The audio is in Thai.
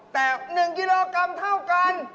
แต่๑กิโลกรัมเท่ากัน